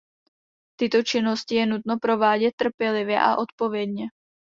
Tyto činnosti je nutno provádět trpělivě a odpovědně.